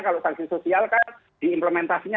kalau sanksi sosial kan diimplementasinya